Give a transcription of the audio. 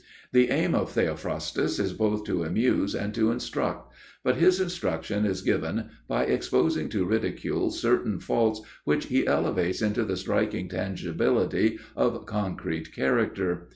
The aim of Theophrastus is both to amuse and to instruct, but his instruction is given by exposing to ridicule certain faults which he elevates into the striking tangibility of concrete character.